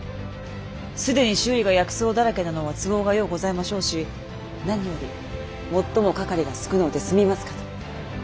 既に周囲が薬草だらけなのは都合がようございましょうし何よりもっともかかりが少うて済みますかと！